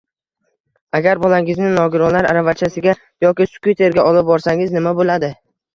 Agar bolangizni nogironlar aravachasiga yoki skuterga olib borsangiz nima bo'ladi?